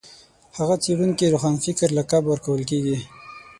هغه څېړونکي روښانفکر لقب ورکول کېږي